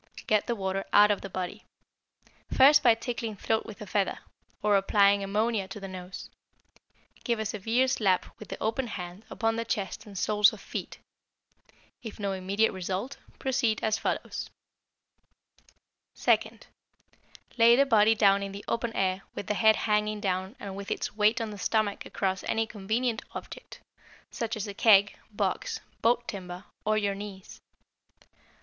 Get the water out of the body, first by tickling throat with a feather, or applying ammonia to the nose; give a severe slap with the open hand upon the chest and soles of feet; if no immediate result, proceed as follows: Second Lay the body down in the open air with the head hanging down and with its weight on the stomach across any convenient object, such as a keg, box, boat timber, or your knees.